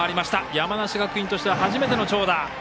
山梨学院としては初めての長打！